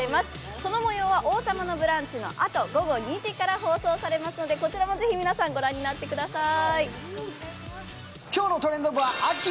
その模様は「王様のブランチ」のあと午後２時から放送されますのでこちらもぜひ皆さんご覧になってください。